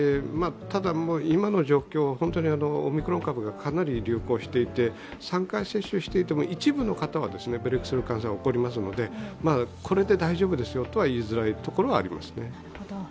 ただ、今の状況、本当にオミクロン株がかなり流行していて３回接種していても一部の方は感染する可能性は起こりますので、これで大丈夫ですよとはいいにくいところはあります。